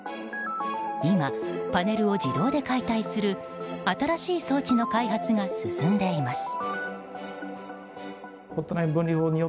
今、パネルを自動で解体する新しい装置の開発が進んでいます。